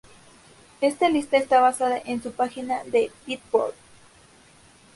Esta lista está basada en su página de beatport.